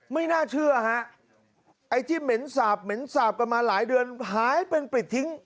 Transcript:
ไม่น่าเชื่อฮะไอ้ที่เหม็นสาบเหม็นสาบกันมาหลายเดือนหายเป็นปริดทิ้ง